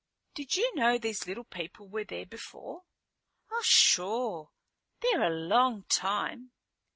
"Did you know these little people were there before?" "Oh, sure. There a long time."